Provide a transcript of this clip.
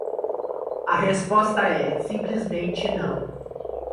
A resposta é: simplesmente não.